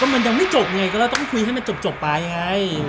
มันยังไม่จบไงก็เราต้องคุยให้มันจบไปไง